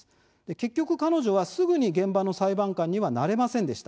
結局、彼女はすぐに現場の裁判官にはなれませんでした。